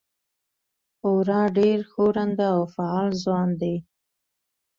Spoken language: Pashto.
خورا ډېر ښورنده او فعال ځوان دی.